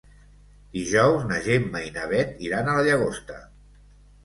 Dijous na Gemma i na Bet iran a la Llagosta.